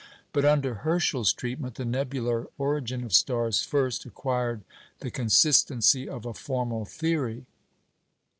But under Herschel's treatment the nebular origin of stars first acquired the consistency of a formal theory.